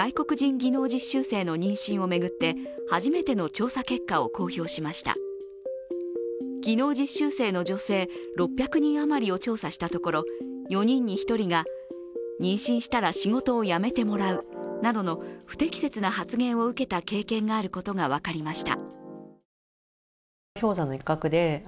技能実習生の女性６００人余りを調査したところ、４人に１人が、妊娠したら仕事を辞めてもらうなどの不適切な発言を受けた経験があることが分かりました。